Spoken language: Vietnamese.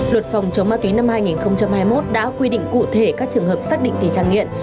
luật phòng chống ma túy năm hai nghìn hai mươi một đã quy định cụ thể các trường hợp xác định tình trạng nghiện